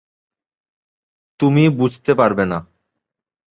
তুমি বুঝতে পারবে না।